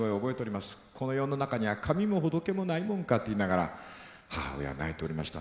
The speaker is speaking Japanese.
この世の中には神も仏もないもんかって言いながら母親は泣いておりました。